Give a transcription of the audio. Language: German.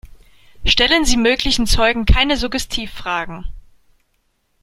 Stellen Sie möglichen Zeugen keine Suggestivfragen.